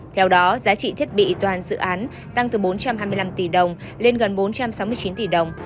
theo đó giá trị thiết bị toàn dự án tăng từ bốn trăm hai mươi năm tỷ đồng lên gần bốn trăm sáu mươi chín tỷ đồng